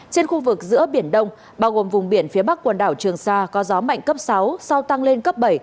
trên khu vực giữa biển đông bao gồm vùng biển phía bắc quần đảo trường sa có gió mạnh cấp sáu sau tăng lên cấp bảy